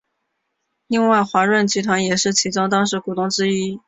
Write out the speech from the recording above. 另外华润集团也是其中当时股东之一。